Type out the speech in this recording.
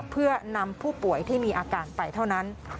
เพื่อนำผู้ป่วยที่มีอาการไปเท่านั้น